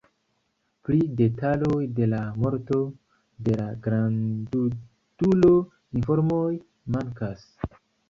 Pri detaloj de la morto de la grandduko informoj mankas.